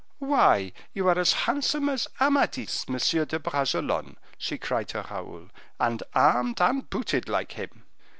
"Why, you are as handsome as Amadis, Monsieur de Bragelonne," she cried to Raoul, "and armed and booted like him."